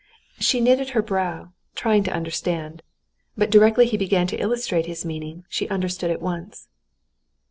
She knitted her brow, trying to understand. But directly he began to illustrate his meaning, she understood at once.